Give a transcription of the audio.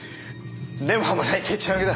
根も葉もないでっち上げだ！